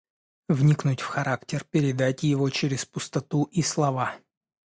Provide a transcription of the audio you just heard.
Вникнуть в характер, передать его через пустоту и слова.